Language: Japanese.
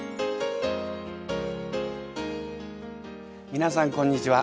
皆さんこんにちは。